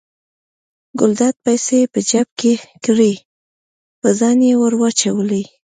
ګلداد پیسې په جب کې کړې په ځان یې ور واچولې.